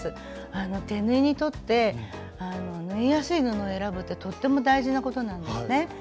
手縫いにとって縫いやすい布を選ぶってとっても大事なことなんですね。